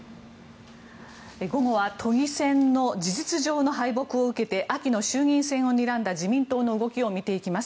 午後は都議選の事実上の敗北を受けて秋の衆議院選をにらんだ自民党の動きを見ていきます。